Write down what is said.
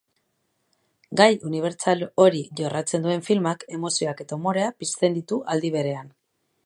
Gai unibertsal hori jorratzen duen filmak emozioak eta umorea pizten ditu aldi berean.